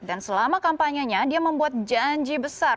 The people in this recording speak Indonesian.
selama kampanyenya dia membuat janji besar